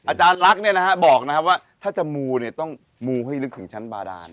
อาจารย์ลักษณ์บอกว่าถ้าจะมูเนี่ยต้องมูให้ลึกถึงชั้นบาดาน